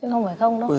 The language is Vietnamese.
không phải không đâu